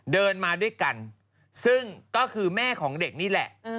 เดินมาด้วยกันซึ่งก็คือแม่ของเด็กนี่แหละ